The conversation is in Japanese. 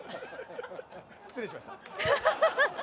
失礼しました。